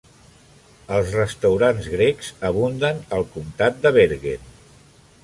Els restaurants grecs abunden al comtat de Bergen.